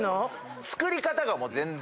作り方がもう全然。